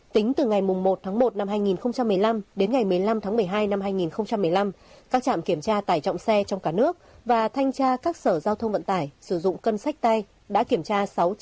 tính từ ngày một tháng một năm hai nghìn một mươi năm đến ngày một mươi năm tháng một mươi hai năm hai nghìn một mươi năm các trạm kiểm tra tải trọng xe trong cả nước và thanh tra các sở giao thông vận tải sử dụng cân sách tay đã kiểm tra sáu trăm ba mươi năm ba trăm năm mươi một